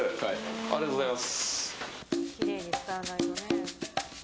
ありがとうございます。